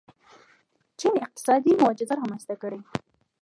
چین اقتصادي معجزه رامنځته کړې.